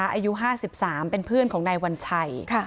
อายุ๕๓เป็นเพื่อนของนายวัญชัย